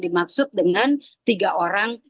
dimaksud dengan tiga orang